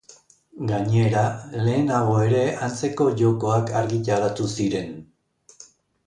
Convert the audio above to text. Gainera, lehenago ere antzeko jokoak argitaratu ziren.